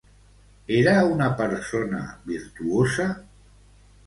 Era una persona virtuosa?